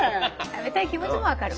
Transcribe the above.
食べたい気持ちもわかる。